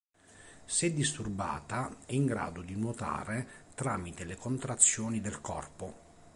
Se disturbata è in grado di nuotare tramite le contrazioni del corpo.